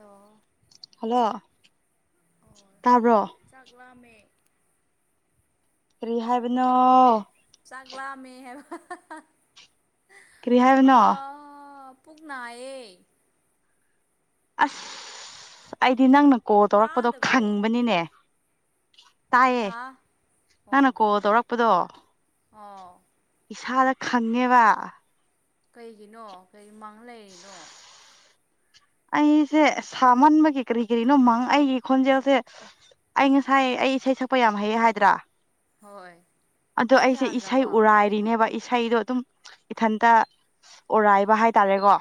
ꯑꯣ ꯍꯂꯣ ꯇꯥꯕ꯭ꯔꯣ꯫ ꯆꯥꯛ ꯂꯥꯃꯦ ꯀꯔꯤ ꯍꯥꯏꯕꯅꯣ ꯆꯥꯛ ꯂꯥꯝꯃꯦ ꯍꯥꯏꯕ ꯀꯔꯤ [unintelligible] ꯑꯣ ꯍꯥꯏꯕꯅꯣ ꯑꯣ ꯄꯨꯛ ꯅꯥꯏꯌꯦ ꯑꯁ ꯑꯩꯗꯤ ꯅꯪꯅ ꯀꯣꯜ ꯇꯧꯔꯛꯄꯗꯣ ꯇꯥꯗꯕ꯭ꯔꯣ ꯈꯪꯕꯅꯤꯅꯦ ꯇꯥꯏꯌꯦ ꯍꯥ ꯅꯪꯅ ꯑꯣ ꯀꯣꯜ ꯇꯧꯔꯛꯄꯗꯣ ꯑꯣ ꯏꯁꯥꯗ ꯈꯪꯉꯦꯕ ꯀꯩꯒꯤꯅꯣ ꯀꯩ ꯃꯥꯡ ꯂꯩꯔꯤꯅꯣ ꯑꯩꯁꯦ ꯁꯥꯃꯟꯕꯒꯤ ꯀꯔꯤ ꯀꯔꯤꯅꯣ ꯃꯪ ꯑꯩꯒꯤ ꯈꯣꯟꯖꯦꯜꯁꯦ ꯑꯩ ꯉꯁꯥꯏ ꯑꯩ ꯏꯁꯩ ꯁꯛꯄ ꯌꯥꯝ ꯍꯩꯌꯦ ꯍꯥꯏꯗ꯭ꯔꯥ ꯍꯣꯏ ꯑꯗꯣ ꯍꯧꯖꯤꯛ ꯑꯩꯁꯦ ꯏꯁꯩ ꯌꯥꯗ꯭ꯔꯕꯣ ꯎꯔꯥꯏ ꯀꯤꯅꯦꯕ ꯏꯁꯩꯗꯣ ꯑꯗꯨꯝ ꯏꯊꯟꯇ ꯑꯣꯔꯥꯏꯕ ꯍꯥꯏꯇꯥꯔꯦꯀꯣ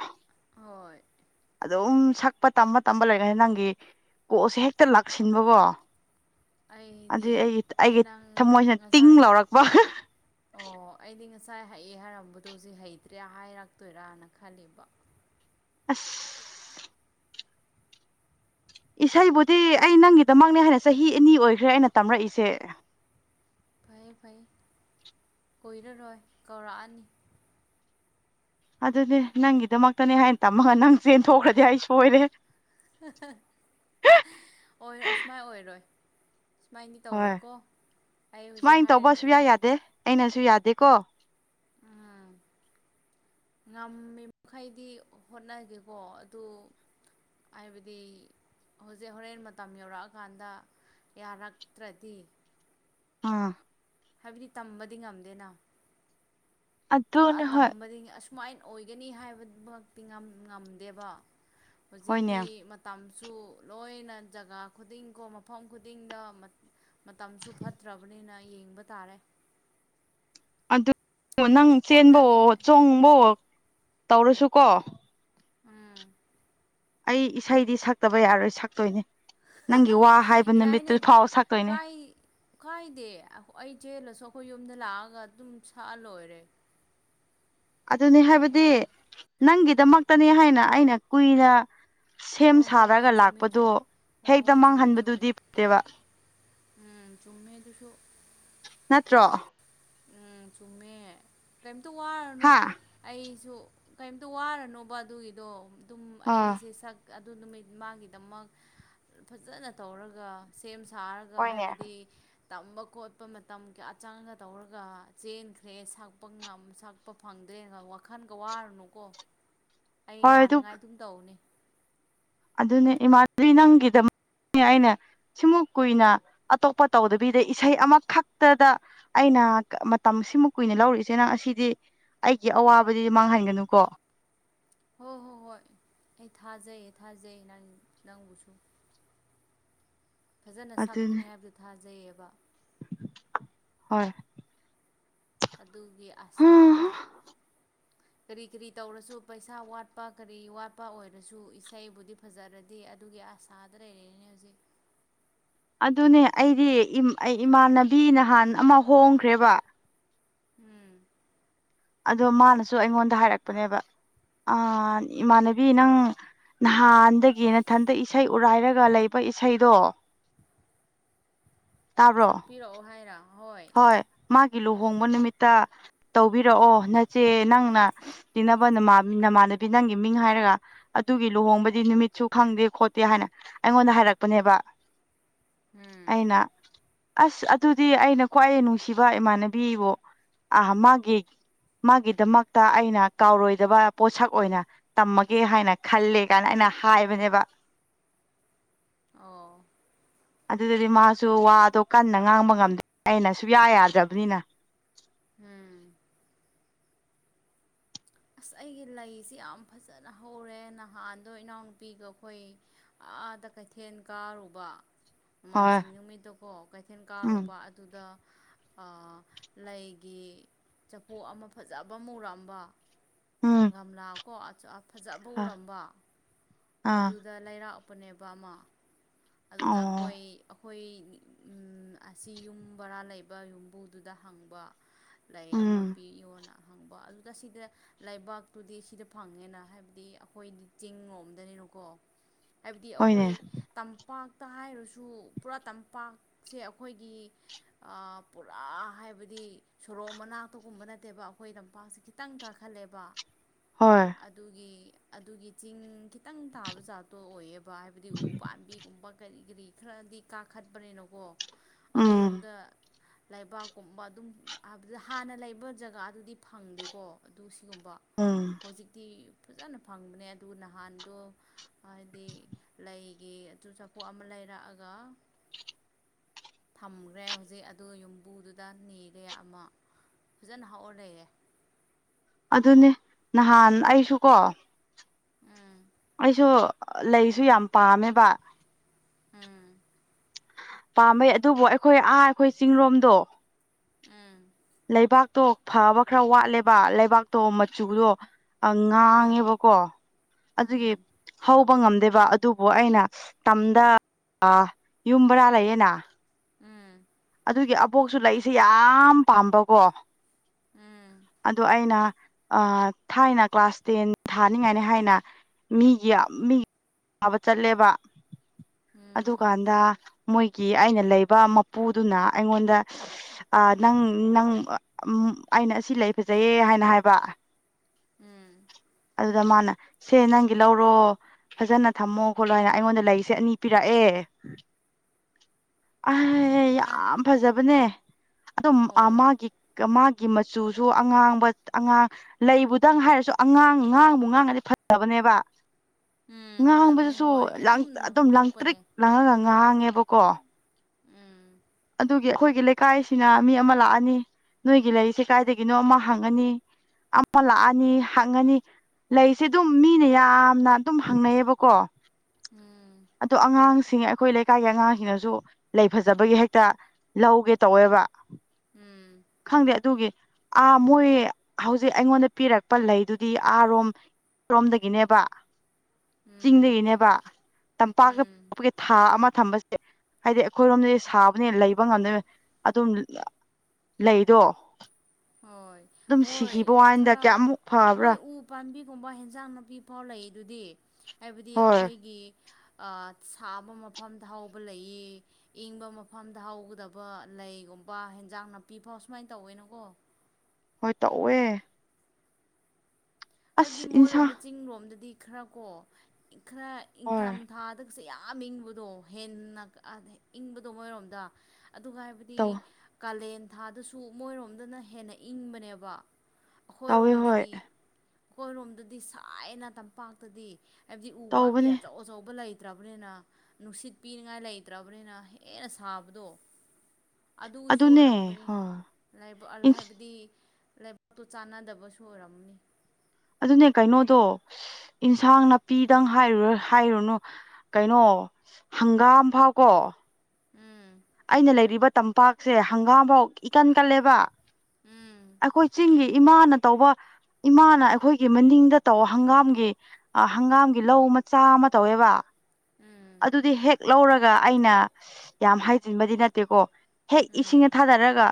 ꯍꯣꯏ ꯑꯗꯨꯝ ꯁꯛꯄ ꯇꯝꯕ ꯇꯝꯕ ꯂꯩꯒꯗꯤ ꯅꯪꯒꯤ ꯀꯣꯜꯁꯦ ꯍꯦꯛꯇ ꯂꯥꯛꯁꯤꯟꯕꯀꯣ ꯑꯩꯗꯤ ꯑꯗꯨꯗꯤ ꯑꯩꯒꯤ ꯑꯩꯒꯤ ꯅꯪ ꯊꯃꯣꯏꯁꯤꯅ ꯇꯤꯡ ꯉꯁꯥꯏ ꯂꯥꯎꯔꯛꯄ ꯑꯣ ꯑꯩꯗꯤ ꯉꯁꯥꯏ ꯍꯩ ꯍꯥꯏꯔꯝꯕꯗꯣ ꯍꯧꯖꯤꯛ ꯍꯩꯇ꯭ꯔꯦ ꯍꯥꯏꯔꯛꯇꯣꯏꯔꯥꯅ ꯈꯜꯂꯤꯕ ꯑꯁ ꯏꯁꯩꯕꯨꯗꯤ ꯑꯩ ꯅꯪꯒꯤꯗꯃꯛꯅꯦ ꯍꯥꯏꯅ ꯆꯍꯤ ꯑꯅꯤ ꯑꯣꯏꯈ꯭ꯔꯦ ꯑꯩꯅ ꯇꯝꯔꯛꯏꯁꯦ ꯐꯩꯌꯦ ꯐꯩ ꯀꯨꯏ ꯔꯔꯣꯏ ꯀꯧꯔꯛꯑꯅꯤ ꯑꯗꯨꯅꯦ ꯅꯪꯒꯤꯗꯃꯛꯇꯅꯦ ꯍꯥꯏꯅ ꯇꯝꯃꯒ ꯅꯪ ꯆꯦꯟꯊꯣꯛꯈ꯭ꯔꯗꯤ ꯑꯩ ꯁꯣꯏꯔꯦ [unintelligible] ꯑꯣꯏꯔꯣꯏ ꯑꯁꯨꯃꯥꯏ ꯑꯣꯏꯔꯣꯏ ꯁꯨꯃꯥꯏꯅꯗꯤ ꯍꯣꯏ ꯇꯧꯔꯣꯏꯀꯣ ꯑꯩ ꯍꯧꯖꯤꯛ ꯁꯨꯃꯥꯏꯅ ꯇꯧꯕ ꯁꯨꯌꯥ ꯍꯥꯏꯔꯤꯁꯤꯅꯦ ꯌꯥꯗꯦ ꯑꯩꯅꯁꯨ ꯌꯥꯗꯦꯀꯣ ꯎꯝ ꯉꯝꯃꯤꯃꯩꯗꯤ ꯍꯣꯠꯅꯒꯦꯀꯣ ꯑꯗꯨ ꯍꯥꯏꯕꯗꯤ ꯍꯧꯖꯤꯛ ꯍꯣꯔꯦꯟ ꯃꯇꯝ ꯌꯧꯔꯛꯑꯀꯥꯟꯗ ꯌꯥꯔꯛꯇ꯭ꯔꯗꯤ ꯎꯝ ꯍꯥꯏꯕꯗꯤ ꯇꯝꯕꯗꯤ ꯉꯝꯗꯦꯅ ꯄꯨꯔꯥ ꯑꯗꯨꯅꯦ ꯍꯣꯏ ꯇꯝꯕꯗꯤ ꯁꯨꯃꯥꯏꯅ ꯑꯣꯏꯒꯅꯤ ꯍꯥꯏꯕꯃꯛꯇꯤ ꯉꯝꯗꯦꯕ ꯍꯧꯖꯤꯛꯇꯤ ꯍꯣꯏꯅꯦ ꯃꯇꯝꯁꯨ ꯂꯣꯏꯅ ꯖꯒꯥ ꯈꯨꯗꯤꯡꯀꯣ ꯃꯐꯝ ꯈꯨꯗꯤꯡꯗ ꯃꯇꯝꯁꯨ ꯐꯠꯇ꯭ꯔꯕꯅꯤꯅ ꯌꯦꯡꯕ ꯇꯥꯔꯦ ꯑꯗꯨ ꯅꯪ ꯆꯦꯟꯕ ꯍꯣꯠꯅꯒꯦ ꯆꯣꯡꯕ ꯇꯧꯔꯁꯨꯀꯣ ꯎꯝ ꯑꯩ ꯏꯁꯩꯗꯤ ꯁꯛꯇꯕ ꯌꯥꯔꯣꯏ ꯁꯛꯇꯣꯏꯅꯦ ꯅꯪꯒꯤ ꯋꯥ ꯍꯥꯏꯕ ꯌꯥꯏꯅꯦ ꯅꯨꯃꯤꯠꯇꯨ ꯐꯥꯎ ꯁꯛꯇꯣꯏꯅꯦ ꯀꯥꯏ ꯀꯥꯏꯗꯦ ꯑꯩ ꯆꯦꯜꯂꯁꯨ ꯑꯩꯈꯣꯏ ꯌꯨꯝꯗ ꯂꯥꯛꯑꯒ ꯑꯗꯨꯝ ꯁꯛꯑ ꯂꯣꯏꯔꯦ ꯑꯗꯨꯅꯤ ꯍꯥꯏꯕꯗꯤ ꯅꯪꯒꯤꯗꯃꯛꯇꯅꯤ ꯍꯥꯏꯅ ꯑꯩꯅ ꯀꯨꯏꯅ ꯁꯦꯝ ꯍꯣꯏ ꯍꯣꯏ ꯍꯣꯏ ꯁꯥꯔꯒ ꯆꯨꯝꯃꯤ ꯂꯥꯛꯄꯗꯣ ꯆꯨꯝꯃꯤ ꯍꯣꯏ ꯍꯦꯛꯇ ꯍꯣꯏ ꯆꯨꯝꯃꯤ ꯆꯨꯝꯃꯤ ꯃꯥꯡꯍꯟꯕꯗꯨꯗꯤ ꯐꯠꯇꯦꯕ ꯎꯝ ꯆꯨꯝꯃꯦ ꯑꯗꯨꯁꯨ ꯅꯠꯇ꯭ꯔꯣ ꯎꯝ ꯆꯨꯝꯃꯦ ꯀꯔꯤꯝꯇ ꯋꯥꯔꯨꯅꯨ ꯍꯥ ꯑꯩꯁꯨ ꯀꯩꯝꯇ ꯋꯥꯔꯅꯣꯕ ꯑꯗꯨꯒꯤꯗꯣ ꯑꯗꯨꯝ ꯑꯥ ꯑꯩꯁꯦ ꯁꯛ ꯑꯗꯨ ꯅꯨꯃꯤꯠ ꯃꯥꯒꯤꯗꯃꯛ ꯐꯖꯅ ꯇꯧꯔꯒ ꯁꯦꯝ ꯁꯥꯔꯒ ꯍꯣꯏꯅꯦ ꯍꯥꯏꯕꯗꯤ ꯇꯝꯕ ꯈꯣꯠꯄ ꯃꯇꯝꯒ ꯀꯆꯥ ꯆꯡꯉꯒ ꯇꯧꯔꯒ ꯆꯦꯟꯈ꯭ꯔꯦ ꯁꯛꯄ ꯉꯝ ꯁꯛꯄ ꯐꯪꯗ꯭ꯔꯦ ꯋꯥꯈꯜꯒ ꯋꯥꯔꯨꯅꯨꯀꯣ ꯑꯩ ꯍꯣꯏ ꯑꯗꯨ ꯌꯥꯅꯉꯥꯏ ꯑꯗꯨꯝ ꯇꯧꯅꯤ ꯑꯗꯨꯅꯦ ꯏꯃꯥꯟꯅꯕꯤ ꯅꯪꯒꯤꯗꯃꯛꯛꯇꯅꯤ ꯑꯩꯅ ꯁꯤꯃꯨꯛ ꯀꯨꯏꯅ ꯑꯇꯣꯞꯄ ꯇꯧꯗꯕꯤꯗ ꯏꯁꯩ ꯑꯃꯈꯛꯇꯗ ꯑꯩꯅ ꯃꯇꯝ ꯁꯤꯃꯨꯛ ꯀꯨꯏꯅ ꯂꯧꯔꯤꯁꯤ ꯅꯪ ꯑꯁꯤꯗꯤ ꯑꯩꯒꯤ ꯑꯋꯥꯕꯗꯨꯗꯤ ꯃꯥꯡꯍꯟꯒꯅꯨꯀꯣ ꯍꯣꯏ ꯍꯣꯏ ꯍꯣꯏ ꯑꯩ ꯊꯥꯖꯩ ꯊꯥꯖꯩ ꯅꯪ-ꯅꯪꯕꯨꯁꯨ ꯐꯖꯅ ꯑꯗꯨꯅꯦ ꯁꯛꯀꯅꯤ ꯍꯥꯏꯕꯗꯨ ꯊꯥꯖꯩꯌꯦꯕ ꯍꯣꯏ ꯑꯗꯨꯒꯤ ꯑꯁꯥꯗ ꯀꯔꯤ ꯀꯔꯤ ꯇꯧꯔꯁꯨ ꯄꯩꯁꯥ ꯋꯥꯠꯄ ꯀꯔꯤ ꯋꯥꯠꯄ ꯑꯣꯏꯔꯁꯨ ꯏꯁꯩꯕꯨꯗꯤ ꯐꯖꯔꯗꯤ ꯑꯗꯨꯒꯤ ꯑꯁꯥꯗ ꯂꯩꯔꯅꯦ ꯍꯧꯖꯤꯛ ꯑꯗꯨꯅꯦ ꯑꯩꯗꯤ ꯑꯩ ꯏꯃꯥꯟꯅꯕꯤ ꯅꯍꯥꯟ ꯑꯃ ꯍꯣꯡꯈ꯭ꯔꯦꯕ ꯎꯝ ꯑꯗꯣ ꯃꯥꯅꯁꯨ ꯑꯩꯉꯣꯟꯗ ꯍꯥꯏꯔꯛꯄꯅꯦꯕ ꯑꯥ ꯏꯃꯥꯟꯅꯕꯤ ꯅꯪ ꯅꯍꯥꯟꯗꯒꯤ ꯅꯊꯟꯇ ꯏꯁꯩ ꯎꯔꯥꯏꯔꯒ ꯂꯩꯕ ꯏꯁꯩꯗꯣ ꯇꯥꯕ꯭ꯔꯣ ꯁꯛ ꯄꯤꯔꯛꯑꯣ ꯍꯥꯏꯔ ꯍꯣꯏ ꯍꯣꯏ ꯃꯥꯒꯤ ꯂꯨꯍꯣꯡꯕ ꯅꯨꯃꯤꯠꯇ ꯇꯧꯕꯤꯔꯛꯑꯣ ꯅꯆꯦ ꯅꯪꯅ ꯇꯤꯟꯅꯅꯕ ꯅꯃꯥꯟꯅꯨꯕꯤ ꯅꯪꯒꯤ ꯃꯤꯡ ꯍꯥꯏꯔꯒ ꯑꯗꯨꯒꯤ ꯂꯨꯍꯣꯡꯕꯗꯤ ꯅꯨꯃꯤꯠꯁꯨ ꯈꯪꯗꯦ ꯈꯣꯠꯇꯦ ꯍꯥꯏꯅ ꯑꯩꯉꯣꯟꯗ ꯍꯥꯏꯔꯛꯄꯅꯦꯕ ꯎꯝ ꯑꯩꯅ ꯑꯁ ꯑꯗꯨꯗꯤ ꯑꯩꯅ ꯈ꯭ꯋꯥꯏ ꯅꯨꯡꯁꯤꯕ ꯏꯃꯥꯟꯅꯕꯤꯕꯨ ꯑ ꯃꯥꯒꯤ ꯃꯥꯒꯤꯗꯃꯛꯇ ꯑꯩꯅ ꯀꯥꯎꯔꯣꯏꯗꯕ ꯄꯣꯠꯁꯛ ꯑꯣꯏꯅ ꯇꯝꯃꯒꯦ ꯍꯥꯏꯅ ꯈꯜꯂꯦ ꯀꯥꯏꯅ ꯑꯩꯅ ꯍꯥꯏꯕꯅꯦꯕ ꯑꯣ ꯑꯗꯨꯗꯗꯤ ꯃꯥꯁꯨ ꯋꯥꯗꯣ ꯀꯟꯅ ꯉꯥꯡꯕ ꯉꯝꯗꯦ ꯑꯩꯅ ꯁꯨꯛꯌꯥ ꯌꯥꯗ꯭ꯔꯕꯅꯤꯅ ꯎꯝ ꯑꯁ ꯑꯩꯒꯤ ꯂꯩꯁꯤ ꯌꯥꯝ ꯐꯖꯅ ꯍꯧꯔꯦ ꯅꯍꯥꯟꯗꯣ ꯏꯅꯥꯎꯅꯨꯄꯤꯒ ꯑꯩꯈꯣꯏ ꯑꯥꯗ ꯀꯩꯊꯦꯜ ꯀꯥꯔꯨꯕ ꯍꯣꯏ ꯅꯣꯃꯥꯏꯖꯤꯡ ꯅꯨꯃꯤꯠꯇꯣꯀꯣ ꯀꯩꯊꯦꯜ ꯎꯝ ꯀꯥꯔꯨꯕ ꯑꯗꯨꯗ ꯂꯩꯒꯤ ꯆꯐꯨ ꯑꯃ ꯐꯖꯕ ꯃꯨꯔꯛꯑꯝꯕ ꯎꯝ ꯒꯝꯂꯥꯀꯣ ꯐꯖꯕ ꯑꯥ ꯎꯔꯝꯕ ꯑꯗꯨꯗ ꯂꯩꯔꯥꯛꯄꯅꯦꯕ ꯑꯃ ꯑꯗꯨꯗ ꯑꯣ ꯑꯩꯈꯣꯏ ꯑꯩꯈꯣꯏ ꯑꯁꯤ ꯌꯨꯝ ꯕꯔꯥ ꯂꯩꯕ ꯌꯨꯝꯕꯨꯗꯨꯗ ꯍꯪꯕ ꯂꯥꯏꯔꯤꯛ ꯑꯃ ꯎꯝ ꯄꯤ ꯌꯣꯅ ꯍꯪꯕ ꯑꯗꯨꯗ ꯁꯤꯗ ꯂꯩꯕꯥꯛꯇꯨꯗꯤ ꯁꯤꯗ ꯐꯪꯉꯦꯅ ꯍꯥꯏꯕꯗꯤ ꯑꯩꯈꯣꯏꯗꯤ ꯆꯤꯡ ꯂꯣꯝꯗꯅꯤꯅꯀꯣ ꯍꯥꯏꯕꯗꯤ ꯍꯣꯏꯅꯦ ꯑꯩꯈꯣꯏ ꯇꯝ ꯄꯥꯛꯇ ꯍꯥꯏꯔꯁꯨ ꯄꯨꯔꯥ ꯇꯝꯄꯥꯛꯁꯦ ꯑꯩꯈꯣꯏꯒꯤ ꯑꯥ ꯄꯨꯔꯥ ꯍꯥꯏꯕꯗꯤ ꯁꯣꯔꯣꯛ ꯃꯅꯥꯛꯇꯒꯨꯝꯕ ꯅꯠꯇꯦꯕ ꯑꯩꯈꯣꯏ ꯂꯝꯄꯥꯛꯁꯦ ꯈꯤ ꯈꯤꯇꯪ ꯀꯥꯈꯠꯂꯦꯕ ꯍꯣꯏ ꯑꯗꯨꯒꯤ ꯑꯗꯨꯒꯤ ꯆꯤꯡ ꯈꯤꯇꯪ ꯊꯥꯕ ꯆꯥꯛꯇꯣ ꯑꯣꯏꯌꯦꯕ ꯍꯥꯏꯕꯗꯤ ꯎ ꯄꯥꯝꯕꯤ ꯀꯔꯤ ꯀꯔꯤ ꯈꯔꯗꯤ ꯀꯥꯈꯠꯄꯅꯤꯅꯀꯣ ꯎꯝ ꯑꯗꯨꯔꯣꯝꯗ ꯂꯩꯕꯥꯛꯀꯨꯝꯕ ꯑꯗꯨꯝ ꯍꯥꯟꯅ ꯂꯩꯕ ꯖꯒꯥꯗꯨꯗꯤ ꯐꯪꯗꯦꯀꯣ ꯑꯗꯨ ꯁꯤꯒꯨꯝꯕ ꯎꯝ ꯍꯧꯖꯤꯛ ꯗꯤ ꯐꯖꯅ ꯐꯪꯕꯅꯦ ꯑꯗꯨꯒ ꯅꯍꯥꯟꯗꯣ ꯍꯥꯏꯗꯤ ꯂꯩꯒꯤ ꯆꯥꯐꯨ ꯑꯃ ꯂꯩꯔꯛꯑꯒ ꯊꯝꯈ꯭ꯔꯦ ꯍꯧꯖꯤꯛ ꯑꯗꯨ ꯌꯨꯝꯕꯨꯗꯨꯗ ꯅꯤꯔꯦ ꯑꯃ ꯐꯖꯅ ꯍꯥꯎꯔꯥ ꯂꯩꯔꯦ ꯑꯗꯨꯅꯦ ꯅꯍꯥꯟ ꯑꯩꯁꯨꯀꯣ ꯎꯝ ꯑꯩꯁꯨ ꯂꯩꯁꯨ ꯌꯥꯝ ꯄꯥꯝꯃꯦꯕ ꯎꯝ ꯄꯥꯝꯕꯩ ꯑꯗꯨꯕꯨ ꯑꯩꯈꯣꯏ ꯑꯥ ꯑꯩꯈꯣꯏ ꯆꯤꯡꯔꯣꯝꯗꯣ ꯑꯝ ꯂꯩꯕꯥꯛꯇꯣ ꯐꯕ ꯈꯔ ꯋꯥꯠꯂꯦꯕ ꯂꯩꯕꯥꯛ ꯇꯣ ꯃꯆꯨꯗꯣ ꯎꯝ ꯉꯥꯡꯉꯦꯕꯀꯣ ꯑꯗꯨꯒꯤ ꯎꯝ ꯍꯧꯕ ꯉꯝꯗꯦꯕ ꯑꯗꯨꯕꯨ ꯑꯩꯅ ꯇꯝꯗ ꯌꯨꯝꯕꯔꯥ ꯂꯩꯌꯦꯅ ꯎꯝ ꯑꯗꯨꯒꯤ ꯑꯕꯣꯛꯁꯨ ꯂꯩꯏꯁꯦ ꯌꯥꯝ ꯄꯥꯝꯕꯀꯣ ꯎꯝ ꯑꯣ ꯑꯩꯅ ꯊꯥꯏꯅ ꯀ꯭ꯂꯥꯁ ꯇꯦꯟ ꯊꯥꯅꯤꯡꯉꯥꯏꯅꯤ ꯍꯥꯏꯅ ꯃꯤꯒꯤ ꯃꯤꯒꯤ ꯥꯕ ꯆꯠꯂꯦꯕ ꯎꯝ ꯑꯗꯨꯀꯥꯟꯗ ꯃꯣꯏꯒꯤ ꯑꯩꯅ ꯂꯩꯕ ꯄꯨꯗꯨꯅ ꯑꯩꯉꯣꯟꯗ ꯅꯪ ꯅꯪ ꯑꯩꯅ ꯑꯁꯤ ꯂꯩ ꯐꯖꯩꯌꯦ ꯍꯥꯏꯅ ꯍꯥꯏꯕ ꯎꯝ ꯑꯗꯨꯗ ꯃꯥꯅ ꯁꯦ ꯅꯪꯒꯤ ꯂꯧꯔꯣ ꯐꯖꯅ ꯊꯝꯃꯣ ꯈꯣꯠꯂꯣ ꯍꯥꯏꯅ ꯑꯩꯉꯣꯟꯗ ꯂꯩꯔꯤꯁꯦ ꯑꯅꯤ ꯄꯤꯔꯛꯑꯦ ꯑ ꯑꯥꯠ ꯌꯥꯝ ꯐꯖꯕꯅꯦ ꯑꯗꯨꯝ ꯃꯥꯒꯤ ꯃꯥꯒꯤ ꯃꯆꯨꯁꯨ ꯑꯉꯥꯡꯕ ꯑꯉꯥꯡ ꯂꯩꯕꯨꯗꯪ ꯍꯥꯏꯔꯁꯨ ꯑꯉꯥꯡ ꯉꯥꯡꯕꯨ ꯉꯥꯡꯉꯗꯤ ꯐꯖꯕꯅꯦꯕ ꯎꯝ ꯐꯖꯕꯅꯦ ꯉꯥꯡꯕꯗꯨꯁꯨ ꯍꯣꯏ ꯑꯗꯨꯝ ꯂꯥꯡꯇ꯭ꯔꯤꯛ ꯂꯪꯊꯣꯛꯄꯅꯦ ꯂꯥꯡꯉꯒ ꯉꯥꯡꯉꯦꯕꯀꯣ ꯎꯝ ꯑꯗꯨꯒꯤ ꯑꯩꯈꯣꯏꯒꯤ ꯂꯩꯀꯥꯏꯁꯤꯅ ꯃꯤ ꯑꯃ ꯂꯥꯛꯑꯅꯤ ꯅꯣꯏꯒꯤ ꯂꯩꯔꯤꯁꯦ ꯀꯥꯏꯗꯒꯤꯅꯣ ꯑꯃ ꯍꯪꯉꯅꯤ ꯑꯃ ꯂꯥꯛꯑꯅꯤ ꯍꯪꯉꯅꯤ ꯂꯩꯁꯦ ꯑꯗꯨꯝ ꯃꯤꯅ ꯌꯥꯝꯅ ꯑꯗꯨꯝ ꯍꯪꯅꯩꯌꯦꯕꯀꯣ ꯎꯝ ꯑꯗꯣ ꯑꯉꯥꯡꯁꯤꯡ ꯑꯩꯈꯣꯏ ꯂꯩꯀꯥꯏꯒꯤ ꯑꯉꯥꯡꯁꯤꯡꯅꯁꯨ ꯂꯩ ꯐꯖꯕꯒꯤ ꯍ ꯇ ꯂꯧꯒꯦ ꯇꯧꯋꯦꯕ ꯎꯝ ꯈꯪꯗꯦ ꯑꯗꯨꯒꯤ ꯑꯥ ꯃꯣꯏ ꯍꯧꯖꯤꯛ ꯑꯩꯉꯣꯟꯗ ꯄꯤꯔꯛꯄ ꯂꯩꯗꯨꯗꯤ ꯑꯥꯔꯣꯝ ꯔꯣꯝꯗꯒꯤꯅꯦꯕ ꯎꯝ ꯆꯤꯡꯗꯒꯤꯅꯦꯕ ꯇꯝꯄꯥꯛꯇ ꯎꯝ ꯊꯥ ꯑꯃ ꯊꯝꯕꯁꯦ ꯍꯥꯏꯗꯤ ꯑꯩꯈꯣꯏꯔꯣꯝꯗꯗꯤ ꯁꯥ ꯑꯗꯨꯅꯦ ꯂꯩꯕ ꯉꯝꯗꯣꯏ ꯑꯗꯨꯝ ꯂꯩꯗꯣ ꯍꯣꯏ ꯑꯗꯨꯝ ꯍꯣꯏ ꯁꯤꯈꯤꯕ ꯋꯥꯅꯤꯗ ꯈꯔ ꯀꯌꯥꯃꯨꯛ ꯐꯕ꯭ꯔꯥ ꯍꯣꯏ ꯎꯕ ꯄꯥꯝꯕꯤꯒꯨꯝꯕ ꯍꯟꯖꯥꯡ ꯅꯥꯄꯤ ꯐꯥꯎ ꯂꯩ ꯑꯗꯨꯗꯤ ꯍꯥꯏꯕꯗꯤ ꯍꯣꯏ ꯑꯩꯈꯣꯏꯒꯤ ꯁꯥꯕ ꯃꯐꯝꯗ ꯍꯥꯎꯕ ꯂꯩꯌꯦ ꯏꯪꯕ ꯃꯐꯝꯗ ꯍꯧꯒꯗꯕ ꯂꯩꯒꯨꯝꯕ ꯍꯦꯟꯖꯥꯡ ꯅꯥꯄꯤ ꯐꯥꯎ ꯁꯨꯃꯥꯏꯅ ꯇꯧꯋꯦꯅꯀꯣ ꯍꯣꯏ ꯇꯧꯑꯦ ꯍꯥꯏꯕꯗꯤ ꯑꯁ ꯏꯟꯁꯥꯡ ꯃꯣꯏꯔꯣꯝꯗ ꯆꯤꯡꯔꯣꯝꯗꯗꯤ ꯈꯔ ꯀꯣ ꯈꯔ ꯍꯣꯏ ꯏꯪꯊꯝꯊꯥꯗ ꯁꯦ ꯌꯥꯝ ꯏꯪꯕꯗꯣ ꯍꯦꯟꯅ ꯏꯪꯕꯗꯣ ꯃꯣꯏꯔꯣꯝꯗ ꯑꯗꯨꯒ ꯍꯥꯏꯕꯗꯤ ꯇꯧ ꯍꯥꯏꯗꯤ ꯀꯥꯂꯦꯟ ꯊꯥꯗꯁꯨ ꯃꯣꯏꯔꯣꯝꯗꯅ ꯍꯦꯟꯅ ꯏꯪꯕꯅꯦꯕ ꯇꯧꯋꯦ ꯍꯣꯏ ꯑꯩꯈꯣꯏꯔꯣꯝꯗꯒꯤ ꯑꯩꯈꯣꯏꯔꯣꯝꯗꯗꯤ ꯁꯥꯏꯅ ꯇꯝꯄꯥꯛꯇꯗꯤ ꯍꯥꯏꯕꯗꯤ ꯎ ꯄꯥꯝꯕꯤ ꯇꯧꯕꯅꯦ ꯑꯆꯧ ꯑꯆꯧꯕ ꯂꯩꯇ꯭ꯔꯕꯅꯤꯅ ꯅꯨꯡꯁꯤꯠ ꯄꯤꯅꯤꯡꯉꯥꯏ ꯂꯩꯇ꯭ꯔꯕꯅꯤꯅ ꯍꯦꯟꯅ ꯁꯥꯕꯗꯣ ꯑꯗꯨꯒꯤꯁꯨ ꯑꯗꯨꯅꯦ ꯑꯣꯏꯔꯝꯒꯅꯤ ꯍꯣꯏ ꯏꯟꯁꯥꯡ ꯍꯥꯏꯕꯗꯤ ꯄꯣꯠꯇꯨ ꯆꯥꯟꯅꯗꯕꯁꯨ ꯑꯣꯏꯔꯝꯅꯤ ꯑꯗꯨꯅꯦ ꯀꯩꯅꯣꯗꯣ ꯏꯟꯁꯥꯡ ꯅꯥꯄꯤꯗꯪ ꯍꯥꯏꯔꯨꯔ ꯍꯥꯏꯔꯨꯅꯨ ꯀꯩꯅꯣ ꯍꯪꯒꯥꯝ ꯐꯥꯎꯀꯣ ꯎꯝ ꯑꯩꯅ ꯂꯩꯔꯤꯕ ꯇꯝꯄꯥꯛꯁꯦ ꯍꯪꯒꯥꯝꯐꯧ ꯏꯀꯟ ꯀꯜꯂꯦꯕ ꯎꯝ ꯑꯩꯈꯣꯏ ꯆꯤꯡꯒꯤ ꯏꯃꯥꯅ ꯇꯧꯕ ꯏꯃꯥꯅ ꯑꯩꯈꯣꯏꯒꯤ ꯃꯅꯤꯡꯗ ꯇꯧ ꯍꯪꯒꯥꯝꯒꯤ ꯑ ꯍꯪꯒꯥꯝꯒꯤ ꯂꯧ ꯃꯆꯥ ꯑꯃ ꯇꯧꯋꯦꯕ ꯎꯝ ꯑꯗꯨꯗꯤ ꯍꯦꯛ ꯂꯧꯔꯒ ꯑꯩꯅ ꯌꯥꯝ ꯍꯥꯏꯖꯤꯟꯕꯗꯤ ꯅꯠꯇꯦꯀꯣ ꯍꯦꯛ ꯏꯁꯤꯡꯅ ꯎꯝ ꯊꯥꯗꯔꯒ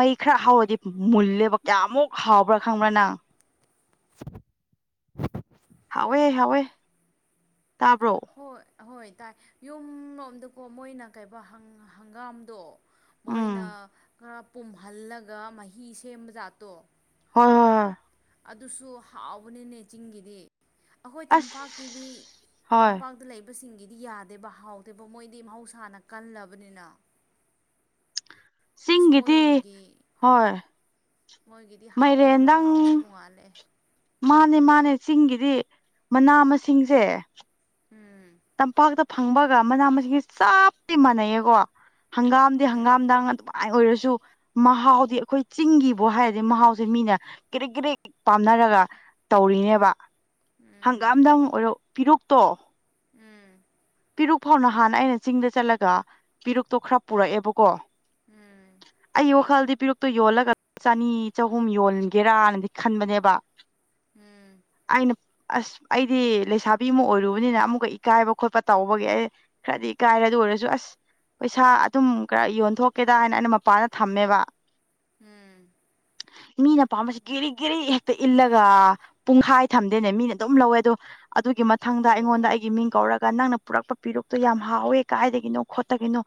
ꯃꯩ ꯈꯔ ꯍꯥꯎꯔꯗꯤ ꯃꯨꯜꯂꯦꯕ ꯀꯌꯥꯃꯨꯛ ꯍꯥꯎꯕ꯭ꯔꯥ ꯈꯪꯕ꯭ꯔꯥ ꯅꯪ ꯍꯥꯎꯋꯦ ꯍꯥꯎꯋꯦ ꯇꯥꯕ꯭ꯔꯣ ꯍꯣꯏ ꯍꯣꯏ ꯇꯥꯏ ꯌꯨꯝ ꯂꯣꯝꯗꯀꯣ ꯃꯣꯏꯅ ꯀꯩꯕ ꯍꯪꯒꯥꯝꯗꯣ ꯃꯣꯏꯅ ꯎꯝ ꯈꯔ ꯄꯨꯝꯍꯜꯂꯒ ꯃꯍꯤ ꯁꯦꯝꯕꯖꯥꯠꯇꯣ ꯍꯣꯏ ꯑꯗꯨꯁꯨ ꯍꯥꯎꯕꯅꯤꯅꯦ ꯆꯤꯡꯒꯤꯗꯤ ꯑꯩꯈꯣꯏ ꯑꯁ ꯇꯝꯄꯥꯛꯀꯤꯗꯤ ꯍꯣꯏ ꯇꯝꯄꯥꯛꯇ ꯂꯩꯕ ꯍꯥꯏ ꯁꯤꯡꯒꯤꯗꯤ ꯌꯥꯗꯦꯕ ꯍꯥꯎꯗꯦꯕ ꯃꯣꯏꯗꯤ ꯃꯍꯧꯁꯥꯅ ꯀꯜꯂꯕꯅꯤꯅ ꯑꯁ ꯆꯤꯡꯒꯤꯗꯤ ꯃꯣꯏꯔꯣꯝꯒꯤ ꯍꯣꯏ ꯃꯣꯏꯒꯤꯗꯤ ꯍꯥꯎꯋꯦ ꯑꯃ ꯃꯥꯏꯔꯦꯟꯗꯪ ꯍꯥꯎꯁꯤ ꯇꯣꯡꯉꯥꯜꯂꯑꯦ ꯃꯥꯅꯦ ꯃꯥꯅꯦ ꯆꯤꯡꯒꯤꯗꯤ ꯃꯅꯥ ꯃꯁꯤꯡꯁꯦ ꯎꯝ ꯇꯝꯄꯥꯛꯇ ꯐꯪꯕꯒ ꯃꯅꯥ ꯃꯁꯤꯡꯁꯦ ꯆꯥꯞꯇꯤ ꯃꯥꯟꯅꯩꯌꯦꯀꯣ ꯍꯪꯒꯥꯝꯗꯤ ꯎꯝ ꯍꯪꯒꯥꯝꯗꯡ ꯑꯗꯨꯃꯥꯏꯅ ꯑꯣꯏꯔꯁꯨ ꯃꯍꯥꯎꯗꯤ ꯑꯩꯈꯣꯏ ꯆꯤꯡꯒꯤꯕꯨ ꯍꯥꯏꯔꯗꯤ ꯃꯍꯥꯎꯁꯦ ꯃꯤꯅ ꯀꯦꯔꯦꯛ ꯀꯦꯔꯦꯛ ꯄꯥꯝꯅꯔꯒ ꯇꯧꯔꯤꯅꯦꯕ ꯎꯝ ꯍꯪꯒꯥꯝꯗ ꯑꯃꯛ ꯑꯣꯏꯔ ꯄꯤꯔꯣꯛꯛꯇꯣ ꯎꯝ ꯄꯤꯔꯨꯛ ꯐꯥꯎꯅ ꯍꯥꯟꯅ ꯑꯩꯅ ꯆꯤꯡꯗ ꯆꯠꯂꯒ ꯄꯦꯔꯨꯛꯇꯣ ꯈꯔ ꯄꯨꯔꯛꯑꯦꯕꯀꯣ ꯎꯝ ꯑꯩ ꯋꯥꯈꯜꯗꯤ ꯄꯤꯔꯛꯇꯨ ꯌꯣꯜꯂꯒ ꯆꯅꯤ ꯆꯍꯨꯝ ꯌꯣꯟꯒꯦꯔꯅꯗꯤ ꯈꯟꯕꯅꯦꯕ ꯎꯝ ꯑꯩꯅ ꯑꯁ ꯑꯩꯗꯤ ꯂꯩꯁꯥꯕꯤ ꯑꯃ ꯑꯣꯏꯔꯨꯕꯅꯤꯅ ꯑꯃꯨꯛꯀ ꯏꯀꯥꯏꯕ ꯈꯣꯠꯄ ꯇꯧꯕꯒꯤ ꯑꯩ ꯈꯔꯗꯤ ꯀꯥꯏꯔꯦ ꯑꯗꯨ ꯑꯣꯏꯔꯁꯨ ꯑꯁ ꯄꯩꯁꯥ ꯑꯗꯨꯝ ꯈꯔ ꯌꯣꯟꯊꯣꯛꯀꯦꯗ ꯍꯥꯏꯅ ꯑꯩꯅ ꯃꯄꯥꯟꯗ ꯊꯝꯃꯦꯕ ꯎꯝ ꯃꯤꯅ ꯄꯥꯝꯕꯁꯤ ꯒꯦꯔꯤ ꯒꯦꯔꯤ ꯍꯦꯛꯇ ꯏꯜꯂꯒ ꯄꯨꯡꯈꯥꯏ ꯊꯝꯗꯦꯅꯦ ꯃꯤꯅ ꯑꯗꯨꯝ ꯂꯧꯋꯦ ꯑꯗꯣ ꯑꯗꯨꯒꯤ ꯃꯊꯪꯗ ꯑꯩꯉꯣꯟꯗ ꯑꯣ ꯑꯩꯒꯤ ꯃꯤꯡ ꯀꯧꯔꯒ ꯅꯪꯅ ꯄꯨꯔꯛꯄ ꯄꯤꯔꯨꯛꯇꯣ ꯌꯥꯝ ꯍꯥꯎꯋꯦ ꯀꯥꯏꯗꯒꯤꯅꯣ ꯈꯣꯠꯇꯒꯤꯅꯣ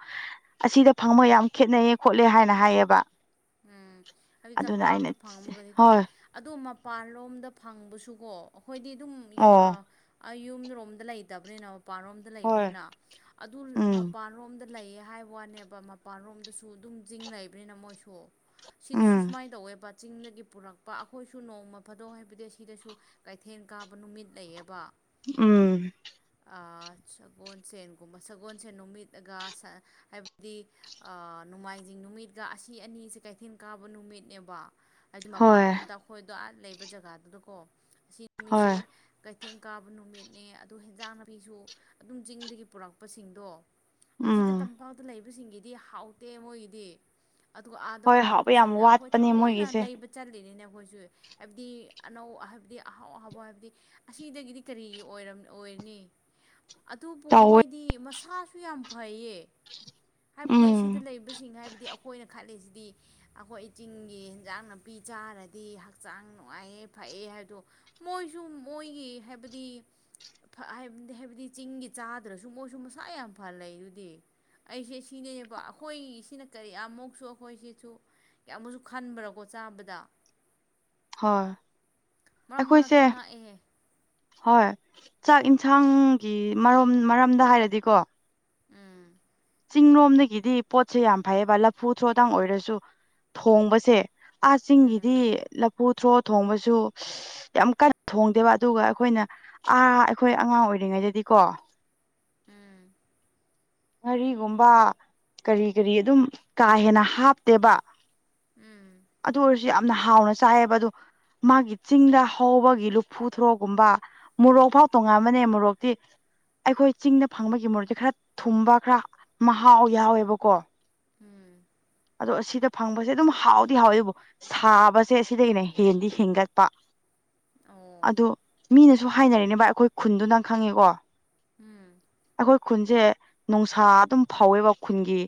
ꯑꯁꯤꯗ ꯐꯪꯕ ꯌꯥꯝ ꯈꯦꯠꯅꯩꯌꯦ ꯈꯣꯠꯂꯦ ꯍꯥꯏꯅ ꯍꯥꯏꯌꯦꯕ ꯎꯝ ꯍꯥꯏꯗꯤ ꯑꯗꯨꯅ ꯑꯩꯅ ꯇꯝꯄꯥꯛꯇ ꯐꯪꯃꯒꯗꯤ ꯇꯣꯉꯥꯏ ꯍꯣꯏ ꯑꯗꯣ ꯃꯄꯥꯟꯂꯣꯝꯗ ꯐꯪꯕꯁꯨꯀꯣ ꯑꯩꯈꯣꯏꯗꯤ ꯑꯗꯨꯝ ꯑꯣ ꯌꯨꯝꯔꯣꯝꯗ ꯂꯩꯇꯕꯅꯤꯅ ꯃꯄꯥꯟꯂꯣꯝꯗ ꯍꯣꯏ ꯂꯩꯕꯅꯤꯅ ꯑꯗꯨ ꯎꯝ ꯃꯄꯥꯟꯂꯣꯝꯗ ꯂꯩꯌꯦ ꯍꯥꯏꯕ ꯋꯥꯅꯦꯕ ꯃꯄꯥꯟꯂꯣꯝꯗꯁꯨ ꯑꯗꯨꯝ ꯆꯤꯡꯅꯕꯅꯤꯅ ꯃꯣꯏꯁꯨ ꯁꯤꯗꯁꯨ ꯎꯝ ꯁꯨꯃꯥꯏꯅ ꯇꯧꯋꯦꯕ ꯆꯤꯡꯗꯒꯤ ꯄꯨꯔꯛꯄ ꯑꯩꯈꯣꯏꯁꯨ ꯅꯣꯡꯃ ꯐꯥꯗꯣꯛ ꯍꯥꯏꯕꯗꯤ ꯁꯤꯗꯁꯨ ꯀꯩꯊꯦꯜ ꯀꯥꯕ ꯅꯨꯃꯤꯠ ꯂꯩꯌꯦꯕ ꯎꯝ ꯁꯒꯣꯜꯁꯦꯟꯒꯨꯝꯕ ꯁꯒꯣꯜꯁꯦꯟ ꯅꯨꯃꯤꯠꯒ ꯍꯥꯏ ꯍꯥꯏ ꯅꯣꯡꯃꯥꯏꯖꯤꯡ ꯅꯨꯃꯤꯠꯀ ꯑꯁꯤ ꯑꯅꯤꯁꯤ ꯀꯩꯊꯦꯜ ꯀꯥꯕ ꯅꯨꯃꯤꯠꯅꯦꯕ ꯍꯥꯏꯗꯤ ꯍꯣꯏ ꯃꯄꯥꯟꯂꯣꯝꯗ ꯑꯩꯈꯣꯏꯗꯣ ꯑꯥ ꯂꯩꯕ ꯖꯒꯥꯗꯨꯗꯀꯣ ꯑꯁꯤ ꯅꯨꯃꯤꯠꯁꯦ ꯍꯣꯏ ꯀꯩꯊꯦꯜ ꯀꯥꯕ ꯅꯨꯃꯤꯠꯅꯦ ꯑꯗꯨ ꯍꯦꯟꯖꯥꯡ ꯅꯥꯄꯤꯁꯨ ꯑꯗꯨꯝ ꯆꯤꯡꯗꯒꯤ ꯄꯨꯔꯛꯄꯁꯤꯡꯗꯣ ꯍꯪꯁꯤꯗ ꯎꯝ ꯇꯝꯄꯥꯛꯇ ꯂꯩꯕꯁꯤꯡꯒꯤꯗꯤ ꯍꯥꯎꯇꯦ ꯃꯣꯏꯒꯤꯗꯤ ꯑꯗꯨꯒ ꯑꯥꯗ ꯍꯣꯏ ꯍꯥꯎꯕ ꯌꯥꯝ ꯄꯨꯔꯛꯄꯁꯤꯡꯅ ꯑꯩꯈꯣꯏ ꯋꯥꯠꯄꯅꯦ ꯊꯑꯣꯏꯅ ꯃꯣꯏꯒꯤꯁꯦ ꯂꯩꯕ ꯆꯠꯂꯤꯅꯤꯅꯦ ꯑꯩꯈꯣꯏꯁꯨ ꯍꯥꯏꯕꯗꯤ ꯑꯅꯧ ꯍꯥꯏꯕꯗꯤ ꯑꯍꯥꯎ ꯑꯍꯥꯎ ꯍꯥꯏꯕꯗꯤ ꯑꯁꯤꯗꯒꯤꯗꯤ ꯀꯔꯤ ꯑꯣꯏꯝ ꯑꯣꯏꯔꯅꯤ ꯑꯗꯨꯕꯨ ꯇꯧꯋꯦ ꯃꯣꯏꯗꯤ ꯃꯁꯥꯁꯨ ꯌꯥꯝ ꯐꯩꯌꯦ ꯍꯥꯏꯕꯗꯤ ꯑꯁꯤꯗ ꯎꯝ ꯂꯩꯔꯤꯕꯕꯁꯤꯡ ꯍꯥꯏꯕꯗꯤ ꯑꯩꯈꯣꯏꯅ ꯈꯜꯂꯤꯁꯤꯗꯤ ꯑꯩꯈꯣꯏ ꯆꯤꯡꯒꯤ ꯏꯟꯖꯥꯡ ꯅꯥꯄꯤ ꯆꯥꯔꯗꯤ ꯍꯛꯆꯥꯡ ꯅꯨꯡꯉꯥꯏꯑꯦ ꯐꯩꯑ ꯍꯥꯏꯕꯗꯣ ꯃꯣꯏꯁꯨ ꯃꯣꯏꯒꯤ ꯍꯥꯏꯕꯗꯤ ꯕꯗꯤ ꯍꯥꯏꯕꯗꯤ ꯆꯤꯡꯒꯤ ꯆꯥꯗ꯭ꯔꯁꯨ ꯃꯣꯏꯁꯨ ꯃꯁꯥ ꯌꯥꯝ ꯐ ꯂꯩ ꯑꯗꯨꯗꯤ ꯑꯩꯁꯦ ꯁꯤꯅꯦꯅꯦꯕ ꯑꯩꯈꯣꯏꯒꯤ ꯁꯤꯅ ꯀꯔꯤꯃꯨꯛꯁꯨ ꯑꯩꯈꯣꯏꯁꯦ ꯁꯨ ꯌꯥꯝꯃꯨꯁꯨ ꯈꯟꯕ꯭ꯔꯥꯀꯣ ꯆꯥꯕꯗ ꯍꯣꯏ ꯃꯔꯛ ꯃꯔꯛꯇ ꯑꯩꯈꯣꯏꯁꯦ ꯉꯥꯛꯑꯦꯍꯦ ꯍꯣꯏ ꯆꯥꯛ ꯢꯟꯁꯥꯡꯒꯤ ꯃꯔꯣꯝ ꯃꯔꯝꯗ ꯍꯥꯏꯔꯗꯤꯀꯣ ꯎꯝ ꯆꯤꯡꯂꯣꯝꯗꯒꯤꯗꯤ ꯄꯣꯠꯁꯦ ꯌꯥꯝ ꯐꯩꯌꯦꯕ ꯂꯐꯨ ꯊ꯭ꯔꯣꯇꯪ ꯑꯣꯏꯔꯁꯨ ꯊꯣꯡꯕꯁꯦ ꯑꯥ ꯆꯤꯡꯒꯤꯗꯤ ꯎꯝ ꯂꯐꯨ ꯊ꯭ꯔꯣ ꯊꯣꯡꯕꯁꯨ ꯌꯥꯝ ꯀꯟꯅ ꯊꯣꯡꯗꯦꯕ ꯑꯗꯨꯒ ꯑꯩꯈꯣꯏꯅ ꯑꯥ ꯑꯩꯈꯣꯏ ꯑꯉꯥꯡ ꯑꯣꯏꯔꯤꯉꯩꯗꯗꯤꯀꯣ ꯎꯝ ꯉꯥꯔꯤꯒꯨꯝꯕ ꯀꯔꯤ ꯀꯔꯤ ꯑꯗꯨꯝ ꯀꯥ ꯍꯦꯟꯅ ꯍꯥꯞꯇꯦꯕ ꯎꯝ ꯑꯗꯨ ꯑꯣꯏꯔꯁꯨ ꯌꯥꯝꯅ ꯍꯥꯎꯅ ꯆꯥꯏꯑꯦꯕ ꯑꯗꯨ ꯃꯥꯒꯤ ꯆꯤꯡꯗ ꯍꯧꯕꯒꯤ ꯂꯐꯨ ꯊ꯭ꯔꯣꯒꯨꯝꯕ ꯃꯣꯔꯣꯛꯐꯥꯎ ꯇꯣꯉꯥꯟꯕꯅꯦ ꯃꯣꯔꯣꯛꯇꯤ ꯑꯩꯈꯣꯏ ꯆꯤꯡꯗ ꯐꯪꯕꯒꯤ ꯃꯣꯔꯣꯛꯁꯦ ꯈꯔ ꯊꯨꯝꯕ ꯈꯔ ꯃꯍꯥꯎ ꯌꯥꯎꯋꯦꯕꯀꯣ ꯎꯝ ꯑꯗꯣ ꯑꯁꯤꯗ ꯐꯪꯕꯁꯦ ꯑꯗꯨꯝ ꯍꯥꯎꯗꯤ ꯍꯥꯎꯋꯦꯕ ꯁꯥꯕꯁꯦ ꯁꯤꯗꯒꯤꯅ ꯍꯦꯟꯂꯤ ꯍꯦꯟꯒꯠꯄ ꯑꯣ ꯑꯗꯨ ꯃꯤꯅꯁꯨ ꯍꯥꯏꯅꯔꯤꯅꯦꯕ ꯚꯏ ꯑꯩꯈꯣꯏ ꯈꯨꯟꯗꯣ ꯅꯪ ꯈꯪꯉꯦꯀꯣ ꯎꯝ ꯑꯩꯈꯣꯏ ꯈꯨꯟꯁꯦ ꯅꯨꯡꯁꯥ ꯑꯗꯨꯝ ꯐꯧꯋꯦꯕ ꯈꯨꯟꯒꯤ